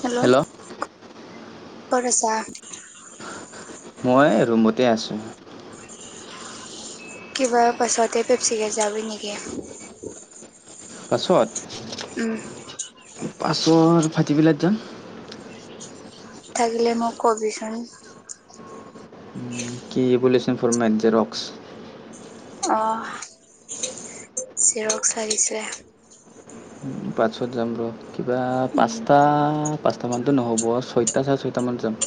Hello ক'ত আছা? মই ৰুমতে আছোঁ। [inaudible] কিবা পাচতে পাছিঘাত যাবি নেকি? পাছত। উম। চ' ফাটি বিলাত যাম। থাকিলে মোক কবিচোন। কি বুলি চোন ফৰ মেঞ্জেৰকেছ অ চিৰক চাগিছে। পাছত যাম ৰ কিবা উম, পাঁচটাত। পাঁচটামানতো নহ'ব ছয়টা চাৰে ছয়টামান যাম।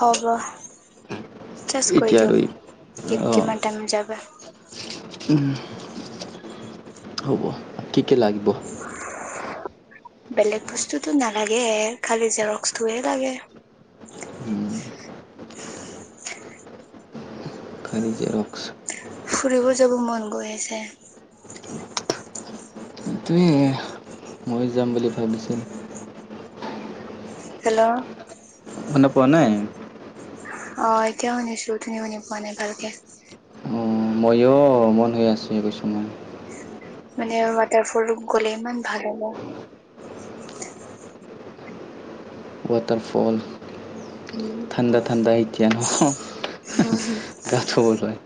হ'ব চেষ্ট কৰি এতিয়া আৰু এই দিয়ক কিমান টাইম যাবা। উম [inaudible] হ'ব কি কি লাগিব বেলেগ বস্তুতো নালাগে খালি জেৰক্সটোহে লাগে [inaudible] খালী জেৰক্স ফুৰিব যাব মন গৈ আছে এইটোৱে মই যাম বুলি ভাবিছিল হেল্ল' মানুহ পোৱা নাই। অ এতিয়াও শুনিছো তুমি শুনি পোৱা নাই ভালকে অঁ ময়ো মন হৈ আছোঁ এইছয় মানে ৱাটাৰ ফল গ'লে ইমান ভাল হব ৱাটাৰফল উম, থাণ্ডা থাণ্ডা এতিয়া ন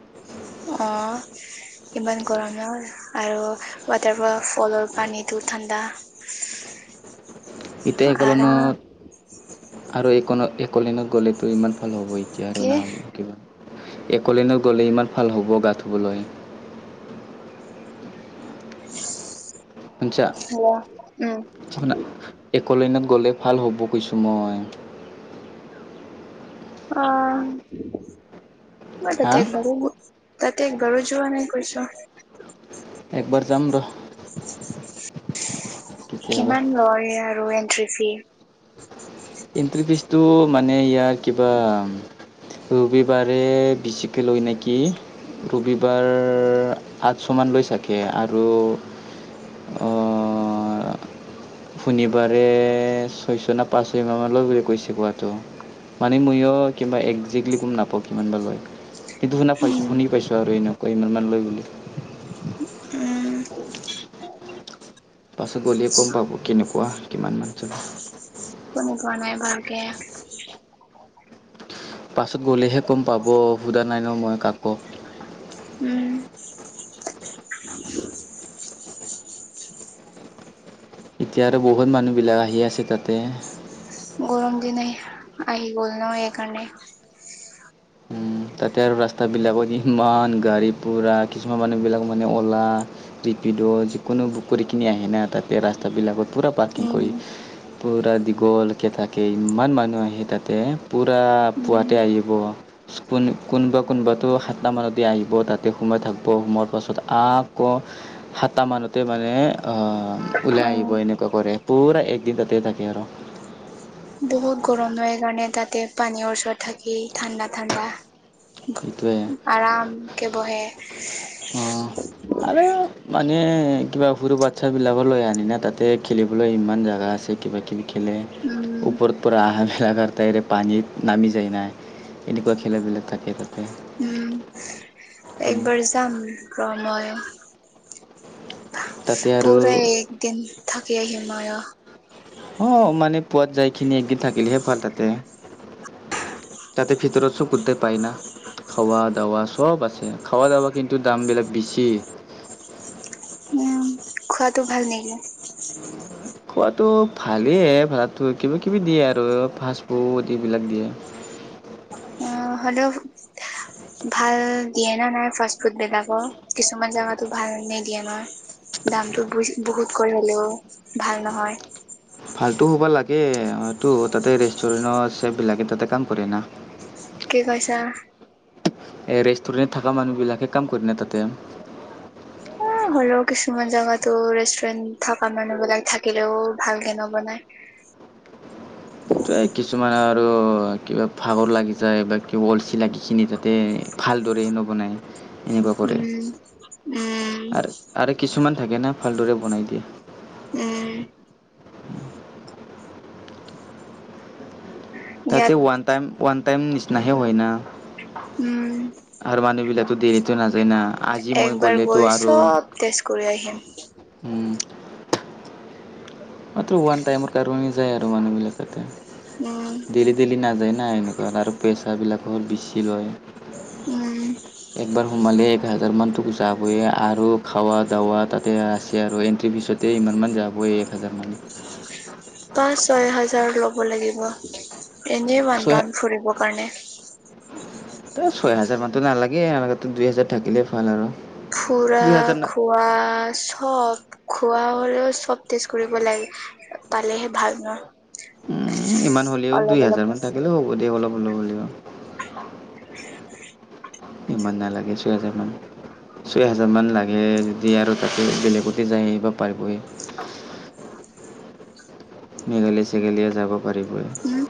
[unintelligible] অঁ ইমান গৰমে আৰু ৱাটাৰল ফলৰ পানীটো ঠাণ্ডা [inaudible] এতিয়া আৰাম। একলনত আৰু এক একোলেনত গ'লেতো ইমান ভাল হ'ব এতিয়া আৰু না'ব কিবা একলেনত গ'লে ইমান ভাল হ'ব গা ধুবলৈ [inaudible] শুনিছা উম শুনা একলেন ত গ'লে ভাল হ'ব কৈছোঁ মই। অ হা মাজতে একবাৰে তাতে গৰো যোৱা নাই কৈছ। একবাৰ যাম ৰ। কিমান লয় আৰু এন্ট্ৰি ফি- এণ্ট্ৰি ফিজটো মানে ইয়াৰ কিবা ৰবিবাৰে বেছিকে লয় নেকি? ৰবিবাৰ আঠশমান লৈ চাগে আৰু [inaudible] শনিবাৰে ছয়শ ন পাঁচ ছয় মান লয় বুলি কৈছে কোৱাটো মানে মই ও কিবা একজেক্লী গম নাপাওঁ কিমান বা লয়। কিন্তু শুনা পাইছোঁ উম শুনি পাইছোঁ আৰু এনেকুৱা ইমান লয় বুলি উম পাছত গলেয়ে গম পাব কেনেকুৱা কিমান মান চল- শুনি পোৱা নাই ভালকে। পাছত গ'লেহে ক'ম পাব সোধা নাই ন মই কাক উম এতিয়া আৰু বহুত মানুহবিলাক আহি আছে তাতে গৰম দি ন আহি গল ন একাৰণে উম, তাতে আৰু ৰাস্তা বিলাকত ইমান গাড়ী পোৰা কিছুমান মানুহ বিলাক মানে অ'লা- পিড যিকোনো বুক কৰি কিনি আহে না তাতে ৰাস্তা বিলাকত পূৰা পাৰ্কিং উম কৰি পূৰা দীঘলকে থাকে ইমান মানুহ আহে তাতে পূৰা উম পুৱাতে আহিব। কোন কোন কোনোবাটো সাতটামানদি আহিব তাতে সোমাই থাকিব সোমোৱাৰ পাছত আ ক সাতটা মানতে মানে ওলাই অ আহিব এনেকুৱা কৰে পূৰা একদিন তাতেই থাকে আৰু বহুত গৰম হয় কাৰণে তাতে পানীৰ ওচৰত থাকি ঠাণ্ডা ঠাণ্ডা এইটোৱে আৰামকে বহে অ আৰু মানে এ কিবা সৰু বাচ্ছা বিলাকৰ লৈ আনি না তাতে খেলিবলৈ ইমান জোগা আছে কিবা কিবি। খেলে। উম ওপৰত পৰা আহা খেলাকাৰ তাইৰে পানীত নামি যায় নাই। এনেকুৱা খেলাবিলাক থাকে তাত। উম একবাৰ যাম ৰ মইও। তাতে আৰু পূৰা এক দিন থাকি আহিম মই ৰ। অ মানে পোৱাত যাই খিনি একদিন থাকিলেহে ভাল তাতে। তাতে ভিতৰত [unintelligible] পায় না। খাৱা দাৱা চব আছে খাৱা দাৱা কিন্তু দাম বিলাক বেছি। উম খোৱাতটো ভাল নেকি? খোৱাটো ভালেই ভাতটো কিবা কিবি দিয়ে আৰু ফাছ ফুড এইবিলাক দিয়ে। [inaudible] অ হলেও ভাল দিয়ে না নাই ফাষ্ট ফুড বিলাক কিছুমান জোগাতো ভাল নিদিয়ে ন। দামটো ব বহুত কৰি হলেও ভাল নহয়। ভালটো হব লাগে হয়তো তাতে ৰেষ্টুৰেণ্টৰ চেফবিলাকে তাতে কাম কৰে না। কি কৈছা? ৰেষ্টুৰেণ্টত থকা মানুহবিলাকে কাম কৰি না তাতে। হলেও কিছুমান জাগাতো ৰেষ্টুৰেন্ট থকা মানুহ বিলাক থাকিলেও ভালকে নবনাই। [inaudible] তই কিছুমানত [inaudible] কিবা ভাগৰ লাগি যায় বা কিবা অলচী লাগিখিনি যাতে ভালদৰে নবনাই। এনেকুৱা কৰে উম, উম, আৰু আৰু কিছুমান থাকে না ভালদৰে বনাই দিয়ে। উম। তাতে ইয়াত ৱ ওৱান টাইম ওৱান টাইম নিচিনাহে হয় না। উম, আৰু মানুহ বিলাক দেৰিতো নাযায় না। আজি মই একবাৰ গ'লেতো গৈ আৰু চব টেষ্ট কৰি আহিম। উম মাথো ওৱান টাইমৰ কাৰনে যায় আৰু মানুহ বিলাক তাতে উম, দেইলি দেইলি নাযায়। নাই এনেকুৱা আৰু পেচাবিলাকো বেছি লয়। উম। একবাৰ সোমালে এক হাজাৰ মান তোক যাবয়ে আৰু খাৱা দাৱা তাতে আছে আৰু এণ্ট্ৰি ফিছতে ইমানমান যাবই এক হাজাৰ মান। পাঁচ ছয় হাজাৰ ল'ব লাগিব। এনে বানধন ফুৰিব কাৰণে। ত ছয় হাজাৰ মানতো নালাগে আৰু দুই হাজাৰ থাকিলে ভাল আৰু। ফুৰা দুই হাজাৰ না খোৱা চব। খোৱা হ'লেও চব টেষ্ট কৰিব লাগে। পালেহে ভাল ন। উম ইমান হ'লেও অলপ দুই অলপ হাজাৰ মান থাকিলেও হ'ব দে অলপ [unintelligible] ইমান নালাগে ছয় হাজাৰ মান। ছয় হাজাৰমান লাগে যদি আৰু তাতে বেলেগতে যায় আহিব পাৰিবই। মেঘালী চেঘেলীয়ে যাব পাৰিবই। উম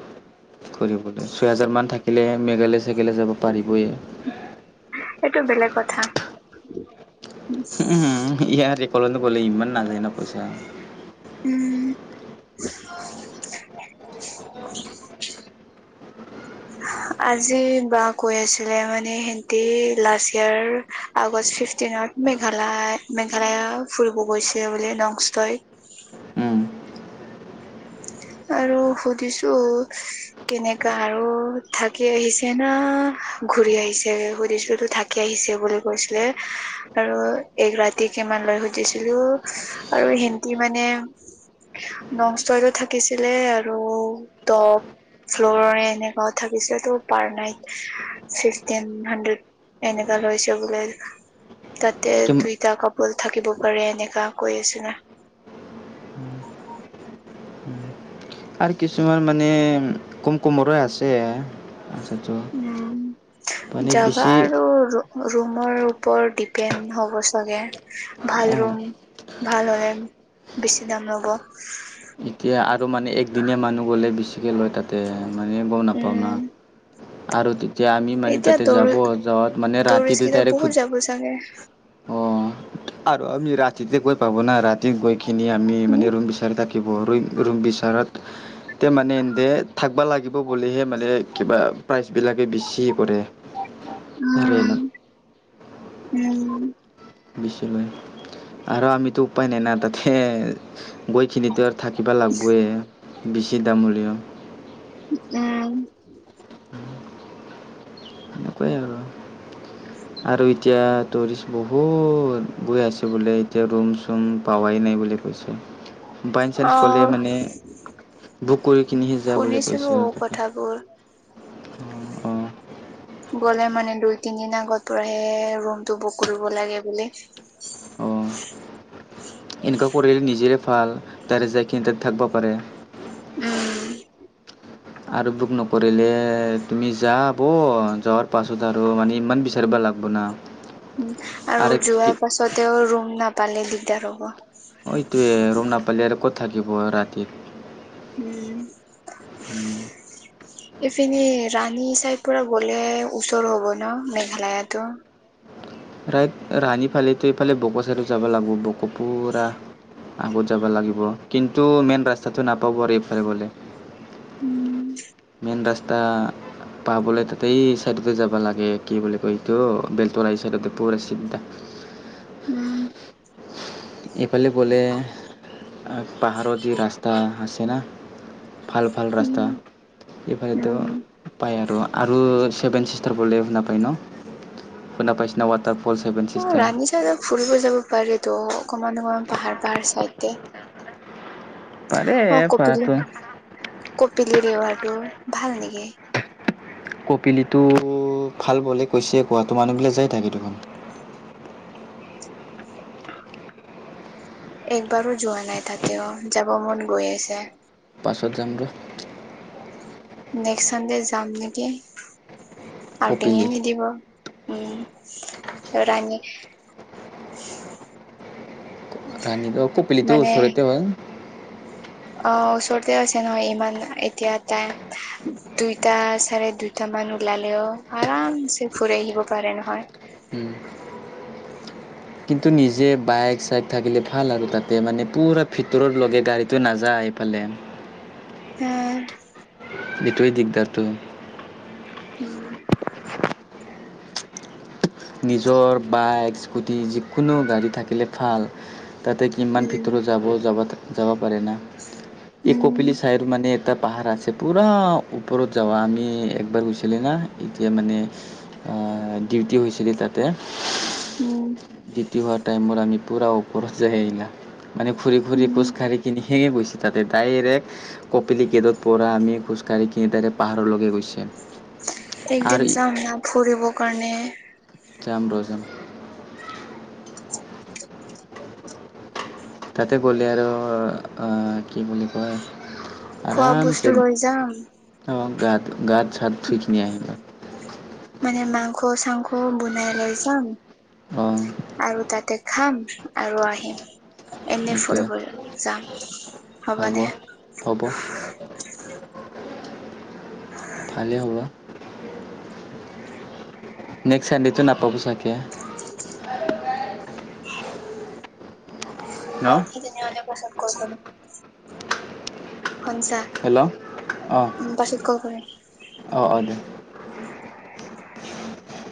কৰিবলে ছয় হাজাৰ মান থাকিলে মেঘালয় [unintelligible] যাব পাৰিবই। সেইটো [inaudible] উ ইয়তে কলো কলে ইমান নাযায় ন পইচা। উম। উ [inaudible] আজি বা কৈ আছিলে মানে সেতি last year August fifteen Meghalaya Meghalaya ফুৰিব গৈছে বোলে নংষ্টয়। উম। উ আৰু সুধিছো কেনেকা আৰু থাকি আহিছে না। ঘুৰি আহিছে সুধিছিলো ত থাকি আহিছে বুলি কৈছিলে আৰু এ ৰাতিকে মানে লো আৰু হেন্তি মানে তলত থাকিছিলে আৰু দপ ফ্ল'ৰ এনেককাও থাকিছিল তো পাৰ নাইট ফিফটিন হাণ্ড্ৰেড এনেকা লৈছো বোলে তাতে দুইটা কাপল থাকিব পাৰে এনেকা কৈ আছনে? অ' আৰু কিছুমান মানে কুম কুমৰ আছে পইচাটো উম মানে জাগা বেছি আৰু ৰুমৰ ওপৰত দি পেন হ'ব চাগে ভাল অঁ ৰুম ভাল হ'লে বেছি দাম ল'ব এতিয়া আৰু মানে একদিনীয়া মানুহ গ'লে বেছিকৈ লয় তাতে মানে গম নাপাওঁ ন উম আৰু তেতিয়া আমি মানে এতিয়া তাতে যাব যাত মানে টুৰিষ্ট ৰাতিতে কেইটা ডাইৰেক্ বহুত যাব [inaudible] আৰু আমি ৰাতিতে কৈ পাব না ৰাতি গৈখিনি আমি উম মানে ৰুম বিচাৰি থাকিব ৰুম ৰুম বিচাৰত তেয়া মানে এনে দে থাকিব লাগিব বুলিহে মানে কিবা প্ৰাইচবিলাকে বেছি কৰে উম ৰেইনত উম বেছি আৰু আমিতো উপায় নাই ন তাতে গৈখিনিতো আৰু থাকিব লাগিবে বেছি দাম হলও উম [unintelligible] সনেকুৱাই আৰু হয় আৰু এতিয়া টুৰিষ্ট বহুত গৈ আছে বোলে এতিয়া ৰুম চুম পাৱাই নাই বুলি বাইচানস গ'লে অ', মানে বুক কৰি কিনিহি যাবলে শুনিছিলো কৈছে আৰু তাতে কথাবোৰ। আহ গ'লে মানে দুই তিন দিন আগত পৰাহে ৰুমটো বুক কৰিব লাগে বোলে। [inaudible] অঁ এনেকুৱা কৰিলে নিজেৰে ভাল তাৰে যাইখিনি ততে থাকিব পাৰে উম। আৰু বুক নকৰিলে তুমি যাব যোৱাৰ পাছত আৰু মানে ইমান বিচাৰ কৰিব লাগিব ন উ আৰু যোৱাৰ পাছতেও ৰুম নাপালে দিগদাৰ হ'ব অ তোৱে ৰৰুম নাপালিয়ৰে ক'ত থাকিব ৰাতি উম। এইপিনি ৰাণী চাইড পৰা গ'লে ওচৰ হ'ব ন মেঘালয়ো ৰাইত ৰানি ফালেতো এইফালে বকোচাই যাব লাগিব বোক পুৰা আগত যাব লাগিব কিন্তু মেইন ৰাস্তাটো নাপাব আৰু এইফালে গলে উম মন ৰাস্তা পাবলৈ তাতেই চাইডতে যাবা লাগে কি বুলি কয় এইটো বেলতৰা এই চাইডতে পুৰা চি [inaudible] এইফালে বলে পাহাৰৰ যি ৰাস্তা আছে না ভাল ভাল উম, ৰাস্তা এইফালেটো উম। পায় আৰু আৰু ছেভেন চিষ্টাৰ বলে শুনা পায় ন শুনা পাইছিনা হোৱাটআপ অ ৰান্ধি চ ফুৰিব যাব পাৰে তো অকণমান অকমান পাহাৰ পাহাৰ চাইডতে পাৰে অ, কপিলি পাৰাটো কপিলি ৱাৰটো ভাল নেকি? কপিলিটো ভাল বলে কৈছে কোৱাটো। মানুহবিলাকে যাই থাকে দেখোন। [unintelligible] একবাৰো যোৱা নাই তাতেও যাব মন গৈ আছে। পাছত যাম ৰ। নেক্সট চানডে যাম নেকি? আৰু টিঙি কপিলি নিদিব উম ৰাণী। [unintelligible] ৰাণীটো কপলতে মানে ওচৰততে হয়। অ, ওচৰতে আছে নহয় ইমান এতিয়া তাই দুইটা চাৰে দুইটা। মান ওলালেও আৰাম চে ফুৰি আহিব পাৰে নহয়। উম। কিন্তু নিজে বাইক-চাইক থাকিলে ভাল আৰু তাতে মানে পুৰা ভিতৰত লগে গাড়ীটো নাযায় আহি পালে। উম। এইটোৱেই দিগদাৰটো। উম। নিজৰ বাইক স্কুটি যিকোনো গাড়ী থাকিলে ভাল। তাতে কিমান উম ভিতৰত যাব যাব যাব পাৰে ন এই উম কপিলি ছাইৰ মানে। এটা পাহাৰ আছে পূৰা ওপৰত যাব আমি একবাৰ গৈছিলি না এতিয়া মানে, ডিউটি হৈছে। তাতে উম ডটি হোৱা টাইমত আমি পূৰা ওপৰত যাই আহিলা। মানে ঘূৰি-ফুৰি উম। খোজকাঢ়ি কিনি গৈছে তাতে ডাইৰেক্ট কপিলি গেটত পৰা আমি খোজকাাঢ়ি কিনি তাইৰেক্ পাহাৰলৈকে গৈছে। একদিন আৰু যাম না ফুৰিব কাৰণে। জাম তো জাম। [unintelligible] তাতে গ'লে আৰু কি বুলি কয়? খোৱা বস্তু আৰামছে লৈ যাম অ গা গাত চাত ধুই কিনে আহিবা। মানে মাংস-চাংস বনাই লৈ যাম। অঁ আৰু তাতে খাম আৰু আহিম। এনেই এতিয়া ফুৰিব যাম, হ'ব নে? হ'ব [unintelligible] উ। ভালেই হ'ব নেক্সট চানডটো নাপাব চাগে। ন কি তেনেহলে পচন্দ কৰে। সঞ্চা হেল্ল' অঁ পাছত কল কৰিম। অঁ অঁ [unintelligible]